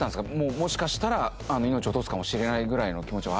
もしかしたら命を落とすかもしれないぐらいの気持ちはある？